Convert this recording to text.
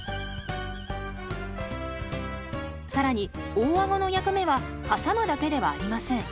更に大アゴの役目は挟むだけではありません。